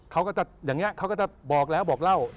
เขาก็ก็จะบอกแล้วบอกเล่าจบ